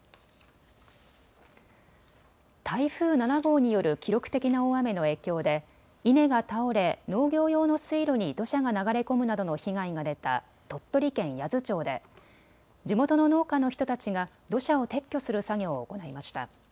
台風７号による記録的な大雨の影響で稲が倒れ農業用の水路に土砂が流れ込むなどの被害が出た鳥取県八頭町で地元の農家の人たちが土砂を撤去する作業を行いました。